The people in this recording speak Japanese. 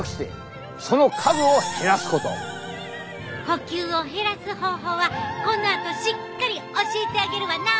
呼吸を減らす方法はこのあとしっかり教えてあげるわな！